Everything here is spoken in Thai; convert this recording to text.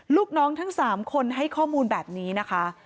ลูกน้องทั้ง๓คนให้ข้อมูลแบบนี้นะคะ